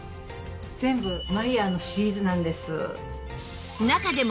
全部マイヤーのシリーズなんです。